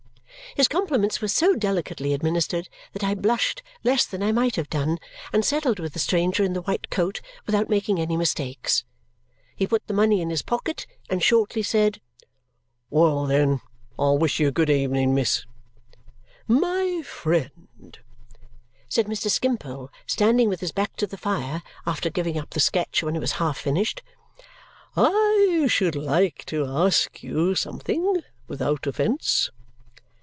His compliments were so delicately administered that I blushed less than I might have done and settled with the stranger in the white coat without making any mistakes. He put the money in his pocket and shortly said, "Well, then, I'll wish you a good evening, miss. "My friend," said Mr. Skimpole, standing with his back to the fire after giving up the sketch when it was half finished, "I should like to ask you something, without offence."